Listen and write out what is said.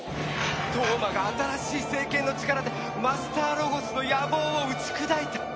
飛羽真が新しい聖剣の力でマスターロゴスの野望を打ち砕いた。